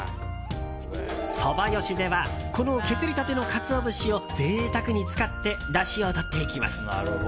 そばよしではこの削りたてのカツオ節を贅沢に使ってだしをとっていきます。